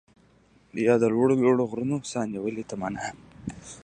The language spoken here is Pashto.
يا د لوړو لوړو غرونو، ساه نيولې تمنا يم